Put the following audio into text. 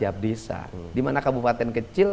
tiap desa di mana kabupaten kecil